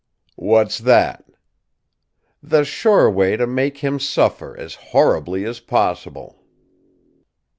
"What's that?" "The sure way to make him suffer as horribly as possible."